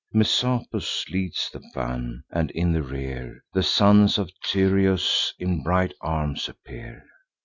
Messapus leads the van; and, in the rear, The sons of Tyrrheus in bright arms appear.